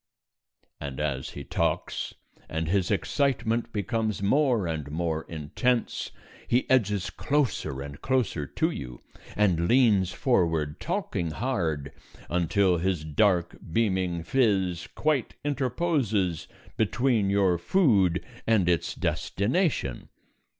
_" And as he talks, and his excitement becomes more and more intense, he edges closer and closer to you, and leans forward, talking hard, until his dark beaming phiz quite interposes between your food and its destination.